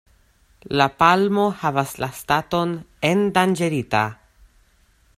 La palmo havas la staton "endanĝerita“.